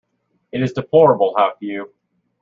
It is deplorable how few.